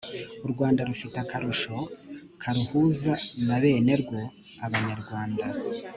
u rwanda rufite akarusho karuhuza na benerwo abanyarwanda